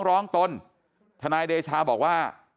ร้องตนทนายเดชาบอกว่า